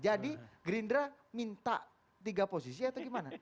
jadi gerindra minta tiga posisi atau gimana